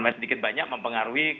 sedikit banyak mempengaruhi